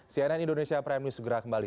cnn indonesia prime news segera kembali